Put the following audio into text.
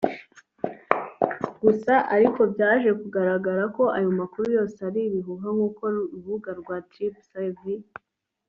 Gusa ariko byaje kugaragara ko ayo makuru yose ari ibihuha nk’uko urubuga rwa tripsavvy